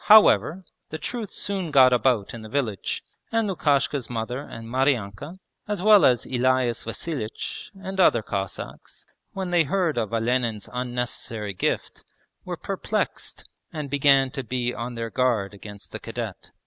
However, the truth soon got about in the village, and Lukashka's mother and Maryanka, as well as Elias Vasilich and other Cossacks, when they heard of Olenin's unnecessary gift, were perplexed, and began to be on their guard against the cadet.